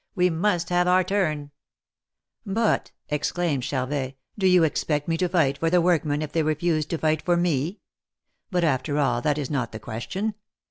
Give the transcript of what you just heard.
We must have our turn !"" But," exclaimed Charvet, do you expect me to fight for the workmen if they refuse to fight for me? But after all, that is not the question.